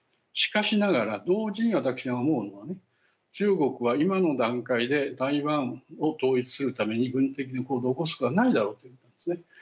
しかしながら同時に私が思うのはね中国は今の段階で台湾を統一するために軍事的に行動を起こすことはないだろうということですね。